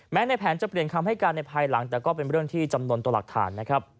ในแผนจะเปลี่ยนคำให้การในภายหลังแต่ก็เป็นเรื่องที่จำนวนตัวหลักฐานนะครับ